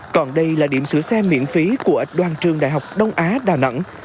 còn đây là điểm sửa xe miễn phí của đoàn trường đại học đông á đà nẵng